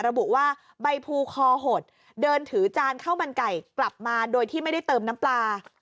ระบุว่าใบภูคอหดเดินถือจานข้าวมันไก่กลับมาโดยที่ไม่ได้เติมน้ำปลา